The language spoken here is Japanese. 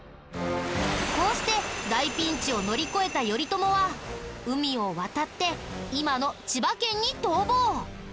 こうして大ピンチを乗り越えた頼朝は海を渡って今の千葉県に逃亡。